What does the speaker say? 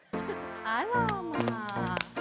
あらまあ。